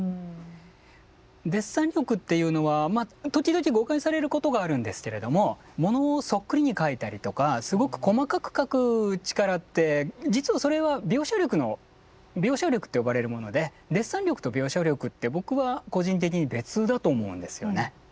デッサン力っていうのは時々誤解されることがあるんですけれどもものをそっくりに描いたりとかすごく細かく描く力って実はそれは描写力の描写力と呼ばれるものでデッサン力と描写力って僕は個人的に別だと思うんですよね。